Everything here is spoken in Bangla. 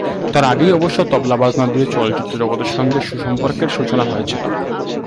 তার আগেই অবশ্য তবলা-বাজনা দিয়ে চলচ্চিত্র জগতের সঙ্গে সম্পর্কের সূচনা হয়েছিল।